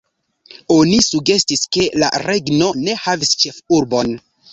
Oni sugestis ke la regno ne havis ĉefurbon.